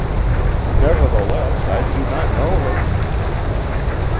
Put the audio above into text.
"Nevertheless, I do not know her."